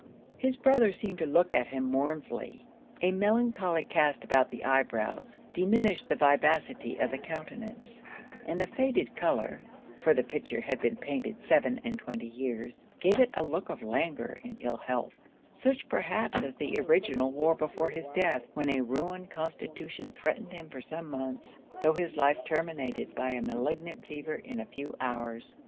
His brother seemed to look at him mournfully. A melancholy cast about the eye brows diminished the vivacity of the countenance, and the faded colour (for the picture had been painted seven and twenty years) gave it a look of languor and ill health; such perhaps as the original wore before his death, when a ruined constitution threatened him for some months, tho' his life terminated by a malignant fever in a few hours.